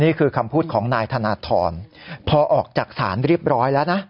นี่คือคำพูดของนายธนทรพอออกจากศาลเรียบร้อยแล้วนะ